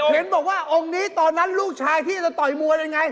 เห็นบอกว่าองค์นี้ตอนนั้นลูกชายพี่จะต่อยมวยยังไง